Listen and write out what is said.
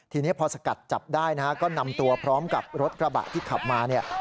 ทีนี้พอสกัดจับได้นะฮะก็นำตัวพร้อมกับรถกระบะที่ขับมาเนี่ย